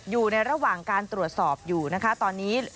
อยู่ในระหว่างการตรวจสอบอยู่นะคะตอนนี้